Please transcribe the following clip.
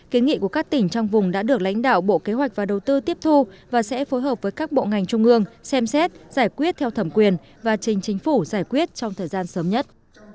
kế nghị của các tỉnh trong vùng đã được lãnh đạo bộ kế hoạch và đầu tư tiếp thu và sẽ phối hợp với các bộ ngành trung ương xem xét giải quyết theo thẩm quyền và trình chính phủ giải quyết trong thời gian sớm nhất